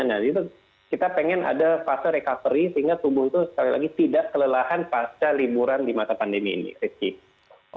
nah disitu kita pengen ada fase recovery sehingga tubuh itu sekali lagi tidak kelelahan pasca liburan di masa pandemi ini rizky